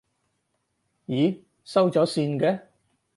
咦，收咗線嘅？